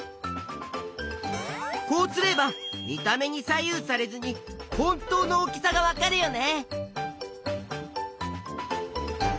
こうすれば見た目に左右されずに本当の大きさがわかるよね。